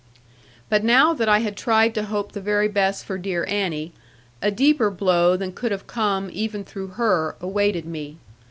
But now that I had tried to hope the very best for dear Annie, a deeper blow than could have come, even through her, awaited me.